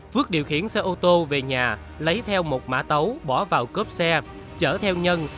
phước điều khiển xe ô tô về nhà lấy theo một mã tấu bỏ vào cướp xe chở theo nhân